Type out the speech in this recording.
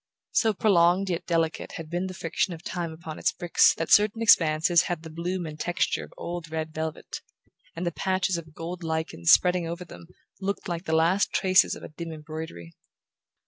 So prolonged yet delicate had been the friction of time upon its bricks that certain expanses had the bloom and texture of old red velvet, and the patches of gold lichen spreading over them looked like the last traces of a dim embroidery.